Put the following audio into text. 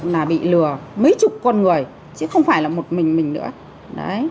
là bị lừa mấy chục con người chứ không phải là một mình mình nữa